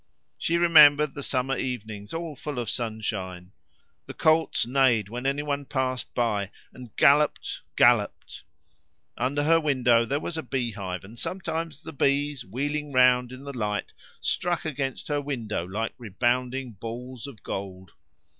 She remembered the summer evenings all full of sunshine. The colts neighed when anyone passed by, and galloped, galloped. Under her window there was a beehive, and sometimes the bees wheeling round in the light struck against her window like rebounding balls of gold.